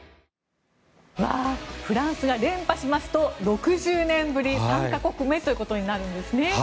フランスが連覇しますと６０年ぶり３か国目ということになるんですね。